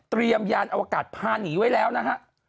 เตรียมยานอวกาศพาหนีไว้แล้วนะหะ